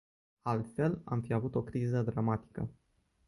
Altfel, am fi avut o criză dramatică.